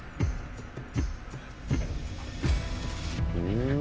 うん！